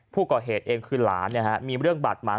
ผู้เกราะเหตุเองคือหลานเนี้ยฮะมีเรื่องบาดหม้าง